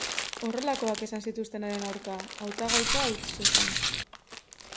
Horrelakoak esan zituzten haren aurka, hautagaitza utz zezan.